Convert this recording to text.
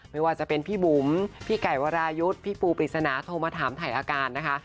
ไม่ว่าจะเป็นพี่บุ๋มพี่ไก่วรายุทธ์พี่ปูปริศนาโทรมาถามถ่ายอาการนะคะ